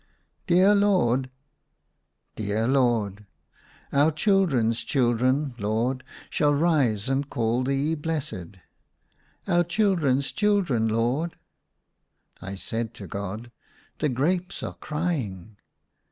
dear Lord 1 "" Dear Lord." " Our children's children. Lord, shall rise and call thee blessed." " Our children's children, Lord." I said to God, " The grapes are crying